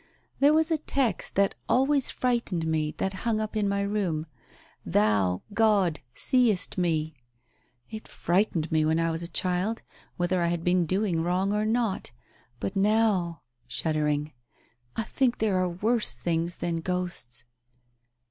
There was a text that always frightened me that hung up in my room :' Thou, God, seest me !' It frightened me when I was a child, whether I had been doing wrong or not. But now," shuddering, "I think there are worse things than ghosts."